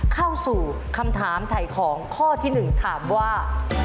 เข้าสู่คำถามถ่ายของข้อที่๑ถามว่า